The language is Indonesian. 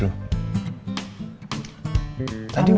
tadi udah kacang hijau